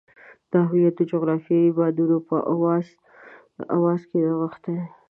دا هویت د جغرافیې د بادونو په اوازونو کې نغښتی.